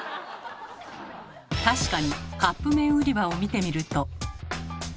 確かにカップ麺売り場を見てみると。